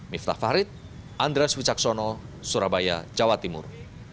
miftah farid andres wicaksono surabaya jawa timur